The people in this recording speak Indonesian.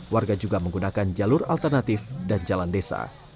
warga juga menggunakan jalur alternatif dan jalan desa